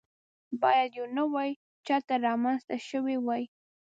باید یو نوی چتر رامنځته شوی وای.